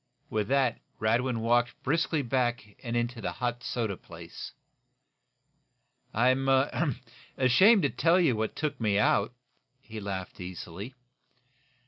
With that Radwin walked briskly back and into the hot soda place. "I'm ashamed to tell you what took me out," he laughed, easily.